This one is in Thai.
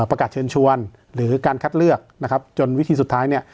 ประกาศเชิญชวนหรือการคัดเลือกนะครับจนวิธีสุดท้ายเนี่ย